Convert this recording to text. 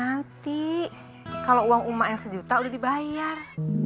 nanti kalau uang umak yang sejuta udah dibayar